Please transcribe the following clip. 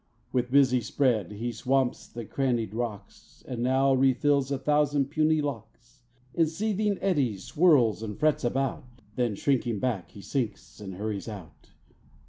With busy spread he swamps the crannied rocks, And now refills a thousand puny locks, In seething eddies swirls and frets about, Then shrinking back, he sinks, and hurries out.